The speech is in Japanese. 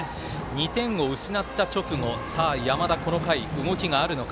２点を失った直後山田動きがあるのか。